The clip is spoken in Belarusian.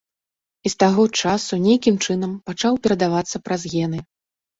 І з таго часу нейкім чынам пачаў перадавацца праз гены.